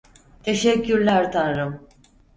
Teşekkürler Tanrım!